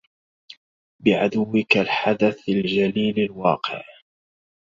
بعدوك الحدث الجليل الواقع